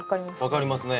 わかりますね。